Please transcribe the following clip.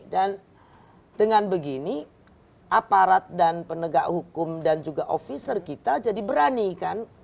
dan dengan begini aparat dan penegak hukum dan juga officer kita jadi berani kan